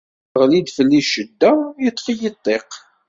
Teɣli-d fell-i ccedda, iṭṭef-iyi ṭṭiq.